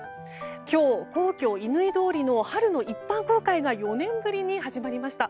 今日、皇居・乾通りの春の一般公開が４年ぶりに始まりました。